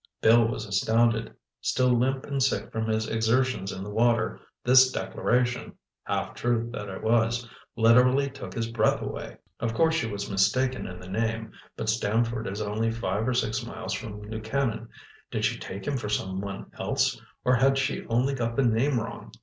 Bill was astounded. Still limp and sick from his exertions in the water, this declaration—half truth that it was—literally took his breath away. Of course she was mistaken in the name, but Stamford is only five or six miles from New Canaan. Did she take him for someone else, or had she only got the name wrong?